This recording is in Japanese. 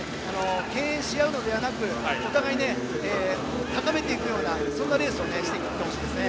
けん制しあうのではなくお互い、高めていくようなレースをしてほしいですね。